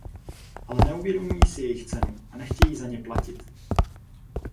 Ale neuvědomují si jejich cenu a nechtějí za ně platit.